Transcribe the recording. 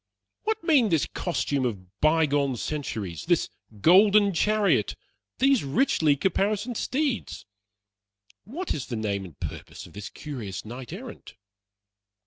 What mean this costume of by gone centuries this golden chariot these richly caparisoned steeds? What is the name and purpose of this curious knight errant?